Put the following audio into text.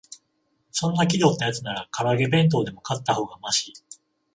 そんな気取ったやつなら、から揚げ弁当でも買ったほうがマシ